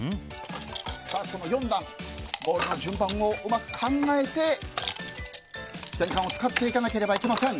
４段、ボールの順番をうまく考えて試験管を使っていかなければいけません。